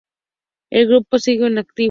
El grupo sigue en activo.